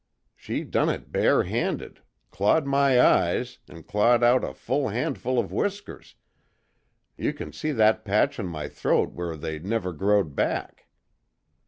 She done it barehanded clawed my eyes, an' clawed out a hull handful of whiskers you kin see that patch on my throat where they never grow'd back.